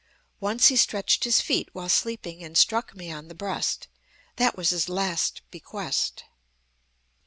Once he stretched his feet, while sleeping, and struck me on the breast. That was his last bequest.